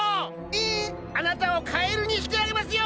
えっ⁉あなたをカエルにしてあげますよ！